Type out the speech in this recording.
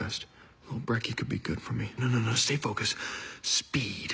スピード。